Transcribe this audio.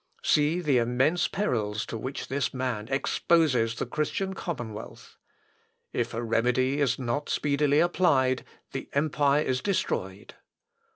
See the immense perils to which this man exposes the Christian commonwealth. If a remedy is not speedily applied, the empire is destroyed.